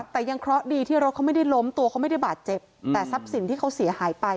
แต่ยังเคราะห์ดีที่รถเขาไม่ได้ล้มตัวเขาไม่ได้บาดเจ็บแต่ทรัพย์สินที่เขาเสียหายไป